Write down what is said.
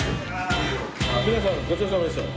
皆さんごちそうさまでした。